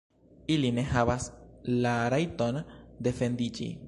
Ili ne havas la rajton defendiĝi.